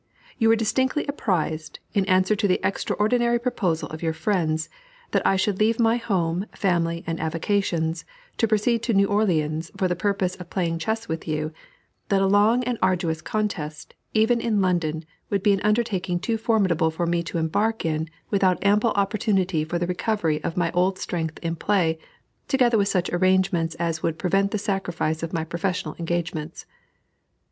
You were distinctly apprised, in answer to the extraordinary proposal of your friends that I should leave my home, family, and avocations, to proceed to New Orleans for the purpose of playing chess with you, that a long and arduous contest, even in London, would be an undertaking too formidable for me to embark in without ample opportunity for the recovery of my old strength in play, together with such arrangements as would prevent the sacrifice of my professional engagements.